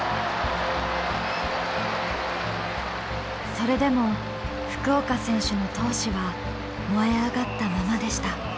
それでも福岡選手の闘志は燃え上がったままでした。